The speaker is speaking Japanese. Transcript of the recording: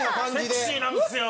セクシーなんですよ！